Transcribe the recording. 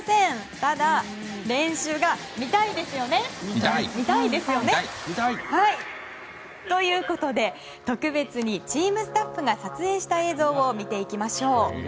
ただ、練習が見たいですよね？ということで、特別にチームスタッフが撮影した映像を見ていきましょう。